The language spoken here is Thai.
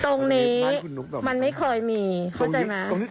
ตรงนี้มันไม่เคยมีเข้าใจไหม